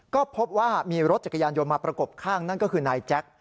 ก็พบว่ามีรถจักรยานยนต์มาประกบข้างนั่นก็คือนายแจ็ค